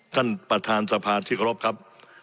ท่านประธานสภาที่เคารพครับ